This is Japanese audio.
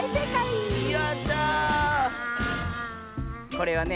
これはねえ